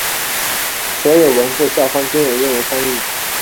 所有文字下方均有英文翻译。